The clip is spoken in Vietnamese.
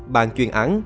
bàn chuyên án